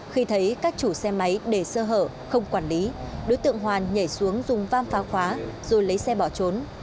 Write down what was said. khi thấy các chủ xe máy để sơ hở không quản lý đối tượng hoàn nhảy xuống dùng vam phá khóa rồi lấy xe bỏ trốn